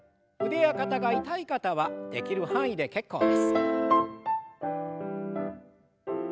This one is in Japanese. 腕や肩が痛い方はできる範囲で結構です。